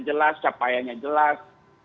jelas capaiannya jelas